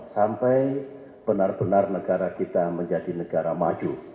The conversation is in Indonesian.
sampai benar benar negara kita menjadi negara maju